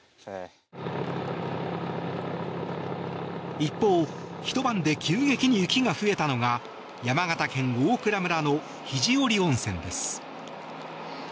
一方、ひと晩で急激に雪が増えたのが山形県大蔵村の肘折温泉です。